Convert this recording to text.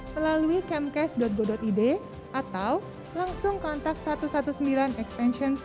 melalui camcast go id atau langsung kontak satu ratus sembilan belas ext sembilan